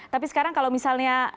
tapi sekarang kalau misalnya